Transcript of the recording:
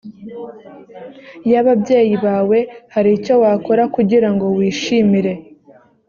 y ababyeyi bawe hari icyo wakora kugira ngo wishimire